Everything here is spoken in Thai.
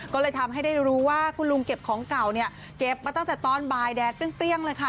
ก็เลยทำให้ได้รู้ว่าคุณลุงเก็บของเก่าเนี่ยเก็บมาตั้งแต่ตอนบ่ายแดดเปรี้ยงเลยค่ะ